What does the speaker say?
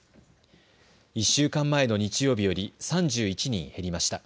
１週間前の日曜日より３１人減りました。